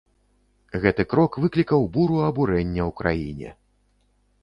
Гэты крок выклікаў буру абурэння ў краіне.